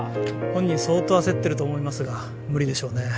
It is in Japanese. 本人相当焦ってると思いますが無理でしょうね